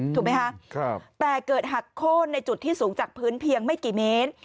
ถูกไหมคะแต่เกิดหักโค้นในจุดที่สูงจากพื้นเพียงไม่กี่เมตร